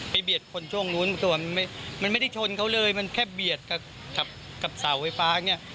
ไปเบียดคนช่วงนู้นมันไม่ได้ชนเขาเลยมันแค่เบียดกับสาวไฟฟ้าเนี่ย